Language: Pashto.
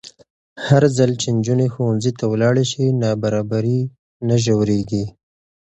هرځل چې نجونې ښوونځي ته ولاړې شي، نابرابري نه ژورېږي.